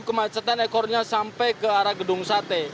kemacetan ekornya sampai ke arah gedung sate